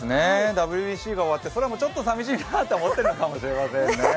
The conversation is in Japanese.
ＷＢＣが終わって空もちょっと寂しいなと思ってるのかもしれませんね。